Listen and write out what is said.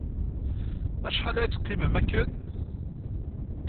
Acḥal ay teqqimem akken?